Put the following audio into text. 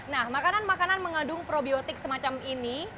nah makanan makanan mengandung probiotik semacam ini